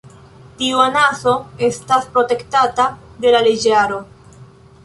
Tiu anaso estas protektata de la leĝaro.